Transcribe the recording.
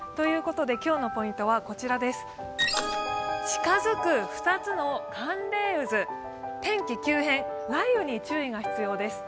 今日のポイントは、近づく２つの寒冷渦天気急変、雷雨に注意が必要です。